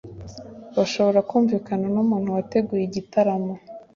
bashobora kumvikana n'umuntu wateguye igitaramo